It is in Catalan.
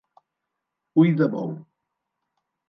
Ui de bou.